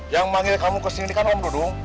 yang manggil kamu kesini kan om dudung